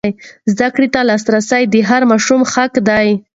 زده کړې ته لاسرسی د هر ماشوم حق دی.